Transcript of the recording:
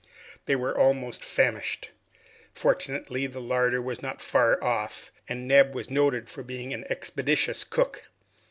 They were almost famished; fortunately, the larder was not far off, and Neb was noted for being an expeditious cook.